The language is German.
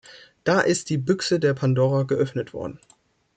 Da ist die Büchse der Pandora geöffnet worden.